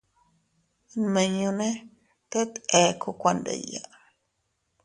Nmiñune teet eku kuandiya.